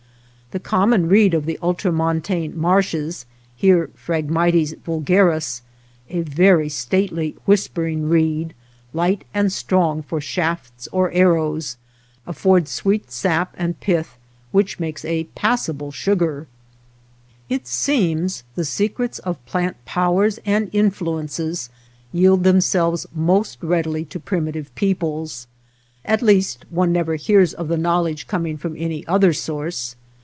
The common reed of the 232 OTHER WATER BORDERS ultramontane marshes (here Phi^agmites vulgaris), a very stately, whispering reed, light and strong for shafts or arrows, affords sweet sap and pith which makes a passable sugar. It seems the secrets of plant powers and influences yield themselves most readily to primitive peoples, at least one never hears of the knowledge coming from any other source.